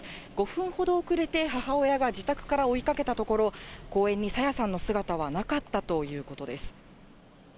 ５分ほど遅れて母親が自宅から追いかけたところ、公園に朝芽さんの姿はなかったということです。